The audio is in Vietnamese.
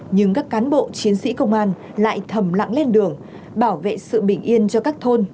nhưng các cán bộ chiến sĩ công an lại thầm lặng lên đường bảo vệ sự bình yên cho các thôn